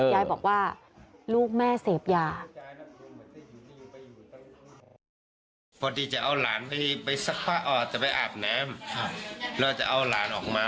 ยายบอกว่าลูกแม่เสพยา